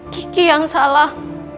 kiki yang salah